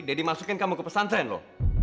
daddy masukin kamu ke pesantren lo